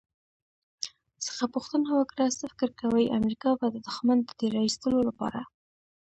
څخه پوښتنه وکړه «څه فکر کوئ، امریکا به د دښمن د تیرایستلو لپاره»